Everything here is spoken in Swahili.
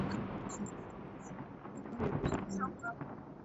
Sipendi mchezo mimi.